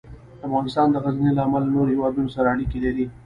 افغانستان د غزني له امله له نورو هېوادونو سره اړیکې لري.